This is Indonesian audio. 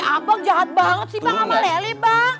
abang jahat banget sih bang sama lele bang